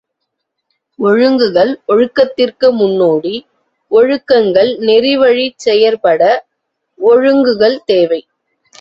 ஒழுங்குகள், ஒழுக்கத்திற்கு முன்னோடி, ஒழுக்கங்கள் நெறிவழிச் செயற்பட ஒழுங்குகள் தேவை.